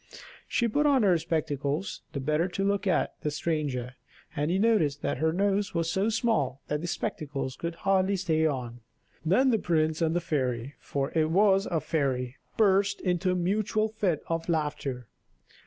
She put on her spectacles the better to look at the stranger, and he noticed that her nose was so small that the spectacles would hardly stay on; then the prince and the fairy, for it was a fairy burst into a mutual fit of laughter.